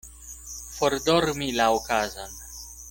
Fordormi la okazon.